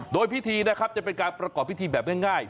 โดยพิธีนะครับจะเป็นการประกอบพิธีแบบง่าย